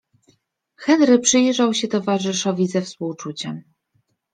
Henry przyjrzał się towarzyszowi ze współczuciem.